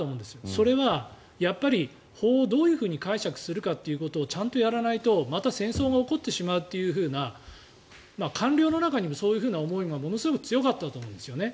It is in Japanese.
それは法をどう解釈するかということをちゃんとやらないとまた戦争が起こってしまうという官僚の中にもそういう思いがものすごく強かったと思うんですよね。